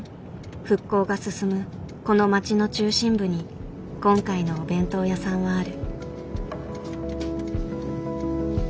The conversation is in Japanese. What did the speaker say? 復興が進むこの町の中心部に今回のお弁当屋さんはある。